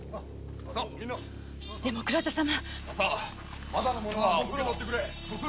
でも倉田様！